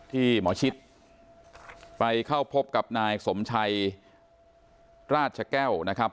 ที่หมอชิดไปเข้าพบกับนายสมชัยราชแก้วนะครับ